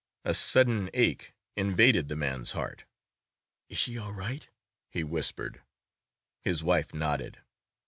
A sudden ache invaded the man's heart. "Is she all right?" he whispered. His wife nodded.